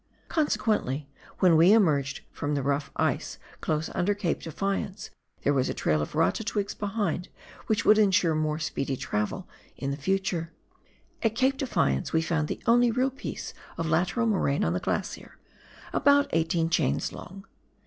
Consequently, when we emerged from the rough ice close under Cape Defiance, there was a trail of rata twigs behind which would insure more speedy travelling in the future. At Cape Defiance we found the only real piece of lateral moraine on the glacier — about eighteen chains long.